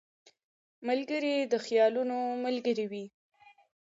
ملګری د خیالونو ملګری وي